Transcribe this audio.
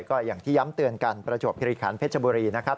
ก็อย่างที่ย้ำเตือนกันประจวบคิริขันเพชรบุรีนะครับ